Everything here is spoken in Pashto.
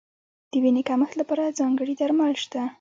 د وینې کمښت لپاره ځانګړي درمل شته.